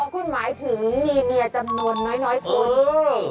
คุณหมายถึงมีเมียจำนวนน้อยคน